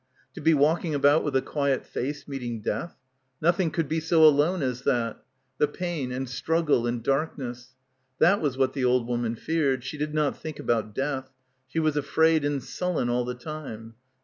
To be walking about with a quiet face meeting death. Nothing could be so alone as that. The pain, and struggle, and darkness. ... That was what the old woman feared. She did not think about death. She was afraid and sullen all the time.